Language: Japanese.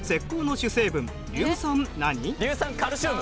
硫酸カルシウム！